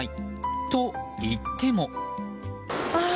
と言っても。